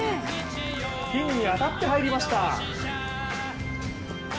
ピンに当たって入りました。